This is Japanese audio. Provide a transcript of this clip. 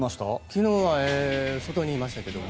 昨日は外にいましたけど。